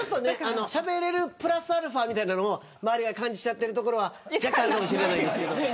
しゃべれるプラスアルファみたいなものを周りが感じているところは若干あるかもしれません。